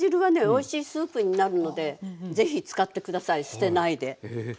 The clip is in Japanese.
おいしいスープになるのでぜひ使って下さい捨てないで。